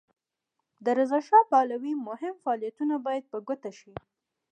د رضاشاه پهلوي مهم فعالیتونه باید په ګوته شي.